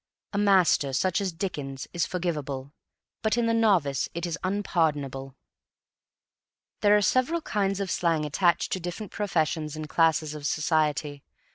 A master, such as Dickens, is forgivable, but in the novice it is unpardonable. There are several kinds of slang attached to different professions and classes of society.